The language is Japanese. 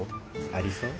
ありそう？